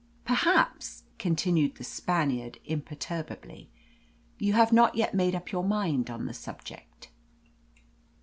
"Perhaps," continued the Spaniard imperturbably, "you have not yet made up your mind on the subject."